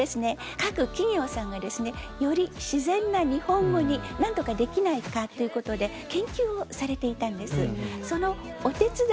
各企業さんがですねより自然な日本語になんとかできないかという事で研究をされていたんです。